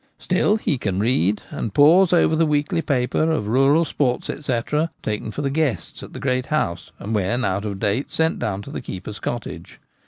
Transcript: Still, he can read, and pores over the weekly paper of rural sports, &c, taken for the guests at the great house and when out of date sent down to the keeper's cottage.